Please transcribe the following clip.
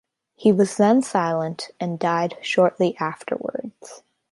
He was then silent and died shortly afterwards.